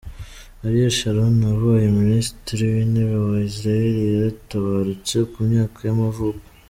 Ariel Sharon, wabaye minisitiri w’intebe wa Israel yaratabarutse, ku myaka y’amavuko.